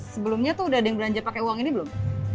sebelumnya tuh udah ada yang belanja pakai uang ini belum